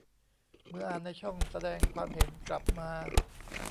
เมื่ออ่านในช่องแสดงความเห็นกลับมา